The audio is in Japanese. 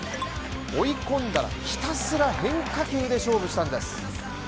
追いこんだらひたすら変化球で勝負したんです。